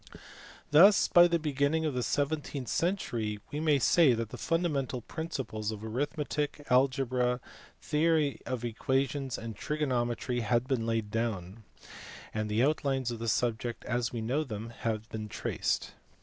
Thus by the beginning of the seventeenth century we may say that the fundamental principles of arithmetic, algebra, theory of equations, and trigonometry had been laid down, and the outlines of the subjects as we know them had been traced.